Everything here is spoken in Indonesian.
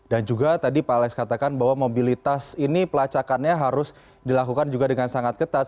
dan juga tadi pak alex katakan bahwa mobilitas ini pelacakannya harus dilakukan juga dengan sangat penting